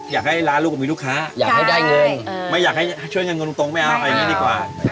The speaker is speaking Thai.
อยากให้ร้านลูกมีลูกค้าอยากให้ได้เงินไม่อยากให้ช่วยเงินตรงไม่เอาไปอย่างนี้ดีกว่า